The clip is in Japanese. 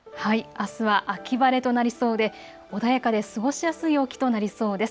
あすは秋晴れとなりそうで穏やかで過ごしやすい陽気となりそうです。